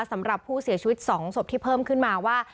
สำหรับผู้เสียชีวิต๒ศพที่เพิ่มขึ้นมาว่า